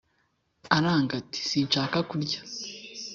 aranga ati “sinshaka kurya”